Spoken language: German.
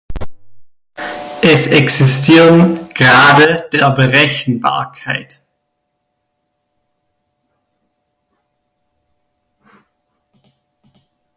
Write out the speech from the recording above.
Es existieren Grade der Berechenbarkeit.